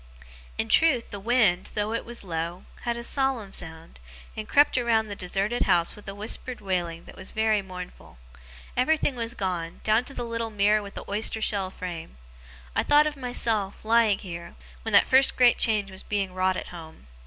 In truth, the wind, though it was low, had a solemn sound, and crept around the deserted house with a whispered wailing that was very mournful. Everything was gone, down to the little mirror with the oyster shell frame. I thought of myself, lying here, when that first great change was being wrought at home.